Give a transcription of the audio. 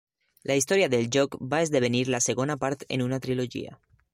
La Història del joc, va esdevenir la segona part en una trilogia.